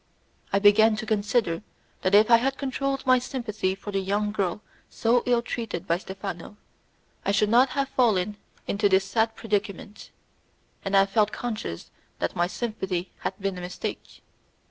I began to consider that if I had controlled my sympathy for the young girl so ill treated by Stephano, I should not have fallen into this sad predicament, and I felt conscious that my sympathy had been a mistake.